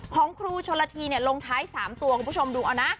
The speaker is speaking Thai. ของครูโชลาธีเนี่ยลงท้ายสามตัวคุณผู้ชมดูเอานะ